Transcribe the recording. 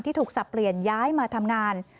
ถูกสับเปลี่ยนย้ายมาทำงาน